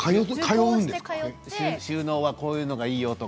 収納はこういうのがいいよ、とか。